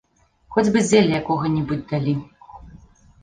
Хоць бы зелля якога-небудзь далі!